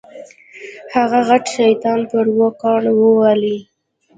هغه غټ شیطان پر اوو کاڼو وولې.